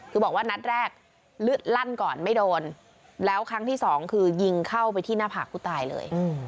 คือบอกว่านัดแรกเลือดลั่นก่อนไม่โดนแล้วครั้งที่สองคือยิงเข้าไปที่หน้าผากผู้ตายเลย